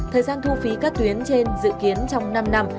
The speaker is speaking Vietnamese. thời gian thu phí các tuyến trên dự kiến trong năm năm